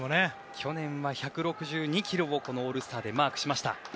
去年は１６２キロをこのオールスターでマークしました。